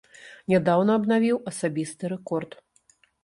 Нядаўна абнавіў асабісты рэкорд.